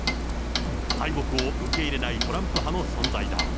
敗北を受け入れないトランプ派の存在だ。